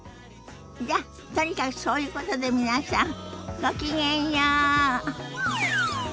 じゃとにかくそういうことで皆さんごきげんよう。